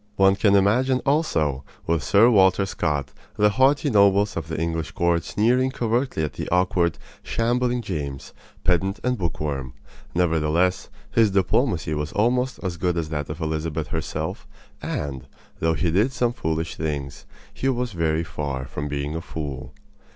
One can imagine also, with Sir Walter Scott, the haughty nobles of the English court sneering covertly at the awkward, shambling James, pedant and bookworm. Nevertheless, his diplomacy was almost as good as that of Elizabeth herself; and, though he did some foolish things, he was very far from being a fool.